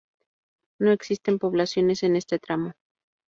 No existen poblaciones en este tramo.